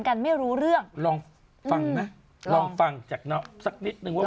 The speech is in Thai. กันไม่รู้เรื่องลองฟังไหมลองฟังจากน้องสักนิดนึงว่า